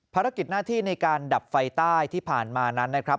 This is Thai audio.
ภารกิจหน้าที่ในการดับไฟใต้ที่ผ่านมานั้นนะครับ